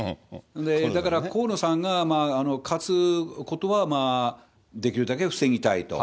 だから河野さんが勝つことは、できるだけ防ぎたいと。